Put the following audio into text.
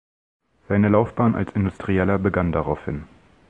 Seine Laufbahn als Industrieller begann daraufhin.